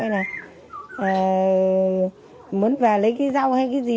mới vào lấy cái rau hay cái gì